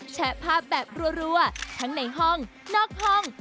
แชะภาพแบบรัวทั้งในห้องนอกห้อง